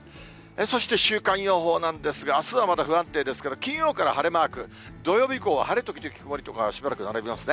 そして、週間予報なんですが、あすはまだ不安定なんですが、金曜から晴れマーク、土曜日以降は晴れ時々曇りとか、しばらく並びますね。